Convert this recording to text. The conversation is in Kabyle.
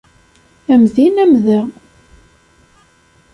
Am din am da.